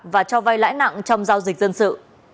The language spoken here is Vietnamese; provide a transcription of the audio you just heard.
và cho vay lãi nặng trong giao dịch dân sự